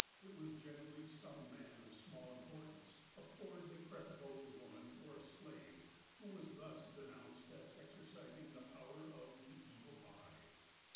It was generally some man of small importance, a poor de crepit old woman, or a slave, who was thus denounced as exercising the power of the "evil eye."